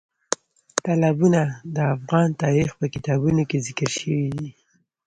تالابونه د افغان تاریخ په کتابونو کې ذکر شوي دي.